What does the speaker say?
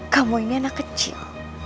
kamu ini anak kecil